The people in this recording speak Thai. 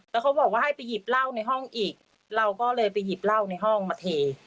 แล้วเขาบอกว่าให้ไปหยิบเหล้าในห้องอีกเราก็เลยไปหยิบเหล้าในห้องมาเท